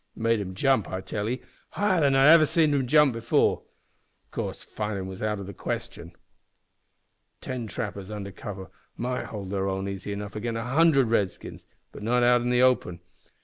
It made him jump, I tell 'ee, higher than I ever seed him jump before. Of course fightin' was out o' the question. "Ten trappers under cover might hold their own easy enough agin a hundred Redskins, but not in the open.